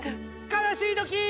悲しいときー。